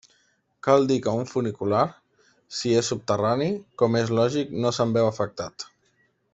Cal dir que un funicular, si és subterrani, com és lògic, no se'n veu afectat.